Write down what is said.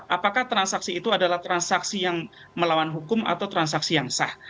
apakah transaksi itu adalah transaksi yang melawan hukum atau transaksi yang sah